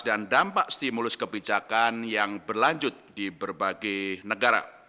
dan dampak stimulus kebijakan yang berlanjut di berbagai negara